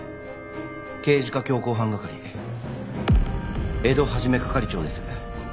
刑事課強行犯係江戸一係長です。